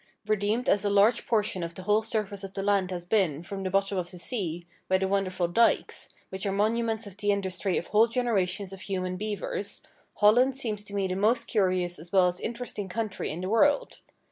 Redeemed as a large portion of the whole surface of the land has been from the bottom of the sea by the wonderful dykes, which are monuments of the industry of whole generations of human beavers, Holland seems to me the most curious as well as interesting country in the world.